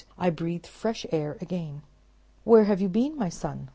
I breathe fresh air again." "Where have you been, my son?"